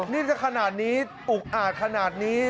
นี่จะขนาดนี้อุกอาจขนาดนี้